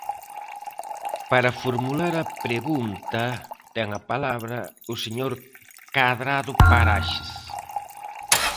Para formular a pregunta ten a palabra o señor Cadrado Paraxes.